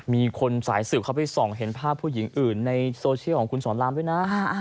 มีคนสายสืบเข้าไปส่องเห็นภาพผู้หญิงอื่นในโซเชียลของคุณสอนรามด้วยนะ